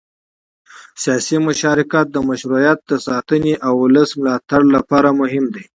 سیاسي مشارکت د مشروعیت د ساتنې او ولسي ملاتړ لپاره مهم دی